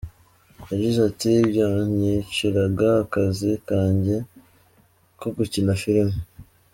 Yagize ati: “byanyiciraga akazi kanjye ko gukina filime.